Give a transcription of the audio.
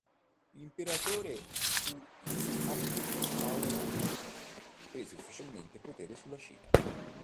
L'imperatore Pu Yi abdicò e Yuan prese ufficialmente il potere sulla Cina.